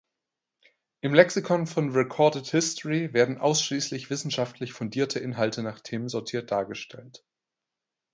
Im Lexikon von Recorded History werden ausschließlich wissenschaftlich fundierte Inhalte nach Themen sortiert dargestellt.